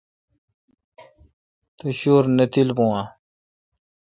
تو شُور نہ تیل بُون آں؟